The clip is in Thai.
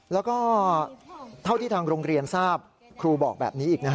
แล้วก็เท่าที่ทางโรงเรียนทราบครูบอกแบบนี้อีกนะฮะ